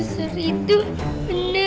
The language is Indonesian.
nggak nggak kena